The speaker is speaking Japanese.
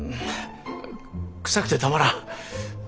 臭くてたまらん。